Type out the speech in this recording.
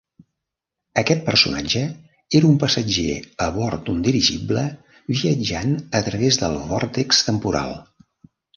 Aquest personatge era un passatger a bord d'un dirigible viatjant a través del vòrtex temporal.